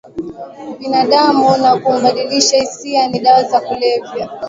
binadamu na kumbadilisha hisia ni dawa za kulevya